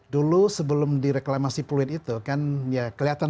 dulu sebelum direklamasi fluid itu kan ya kelihatan